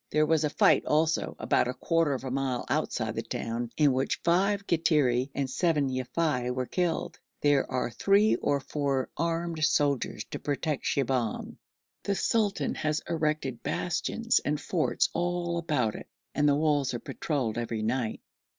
There was a fight also, about a quarter of a mile outside the town, in which five Kattiri and seven Yafei were killed. There are three or four armed soldiers to protect Shibahm, the sultan has erected bastions and forts all about it, and the walls are patrolled every night.